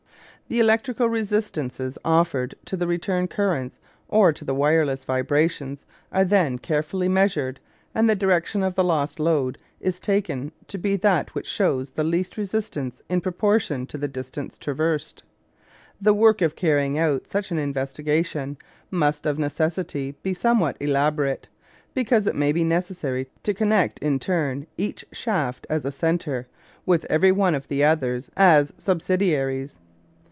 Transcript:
The electrical resistances offered to the return currents, or to the wireless vibrations, are then carefully measured; and the direction of the lost lode is taken to be that which shows the least resistance in proportion to the distance traversed. The work of carrying out such an investigation must of necessity be somewhat elaborate, because it may be necessary to connect in turn each shaft, as a centre, with every one of the others as subsidiaries.